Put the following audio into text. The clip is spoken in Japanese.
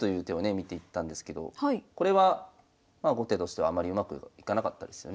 見ていったんですけどこれは後手としてはあまりうまくいかなかったですよね。